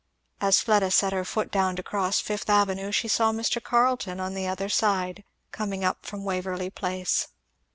As Fleda set her foot down to cross Fifth Avenue she saw Mr. Carleton on the other side coming up from Waverly Place.